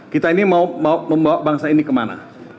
kita ini mau membawa bangsa ini kemana